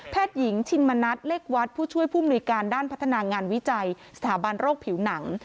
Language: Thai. หญิงชินมณัฐเลขวัดผู้ช่วยผู้มนุยการด้านพัฒนางานวิจัยสถาบันโรคผิวหนัง